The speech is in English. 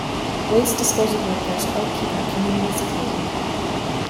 Waste disposal workers help keep our communities clean.